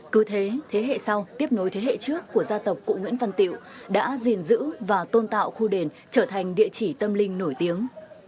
cứ thế hệ sau tiếp nối thế hệ trước của gia tộc cụ nguyễn văn tiệu đã gìn giữ và tôn tạo khu đền trở thành địa chỉ tâm linh nổi tiếng